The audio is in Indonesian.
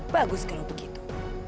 bagus kalau begitu